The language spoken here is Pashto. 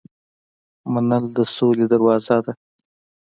منل د سولې دروازه ده.